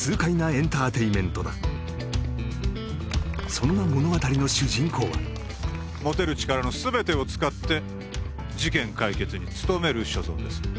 そんな物語の主人公は持てる力のすべてを使って事件解決に努める所存です